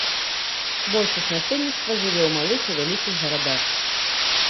Большасць насельніцтва жыве ў малых і вялікіх гарадах.